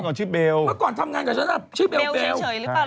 เมื่อก่อนทำงานกับชนะชื่อเบลว์เบลว์